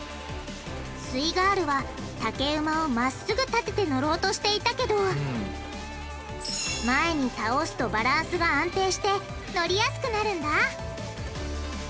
イガールは竹馬をまっすぐ立ててのろうとしていたけど前に倒すとバランスが安定してのりやすくなるんだ！